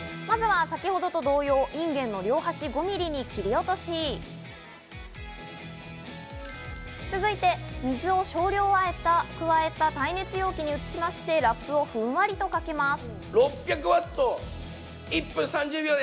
まずは先ほどと同様、インゲンの両端５ミリを切り落とし、続いて水を少量加えた耐熱容器に移しまして、ラップをふんわりとかけます。